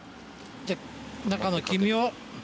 じゃあ中の黄身を。